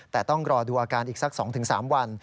แต่ต้องรอดูอาการอีกสัก๒๓วัน